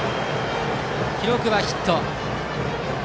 記録はヒット。